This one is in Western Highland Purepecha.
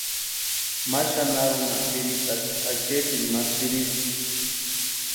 Ma xanharhunha piritakwa acheetini ma sïrispti.